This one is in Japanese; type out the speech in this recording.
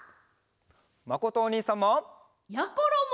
まことおにいさんも！やころも！